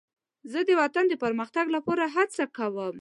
زه د وطن د پرمختګ لپاره هڅه کوم.